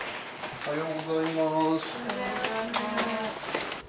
おはようございます。